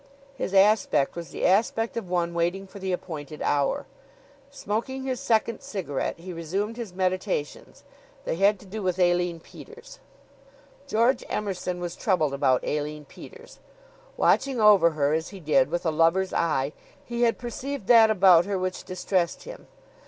His aspect was the aspect of one waiting for the appointed hour. Smoking his second cigarette, he resumed his meditations. They had to do with Aline Peters. George Emerson was troubled about Aline Peters. Watching over her, as he did, with a lover's eye, he had perceived that about her which distressed him.